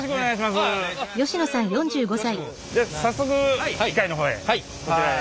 早速機械の方へこちらへ。